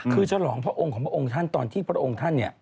คือฉลองพระองค์ของพระองค์ท่านตอนที่พระองค์ท่านเนี่ย